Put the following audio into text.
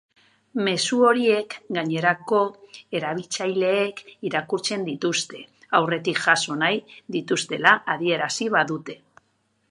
Mezu horiek gainerako erabiltzaileek irakurtzen dituzte, aurretik jaso nahi dituztela adierazi badute.